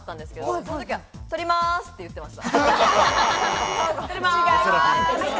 その時は、撮ります！って言ってました。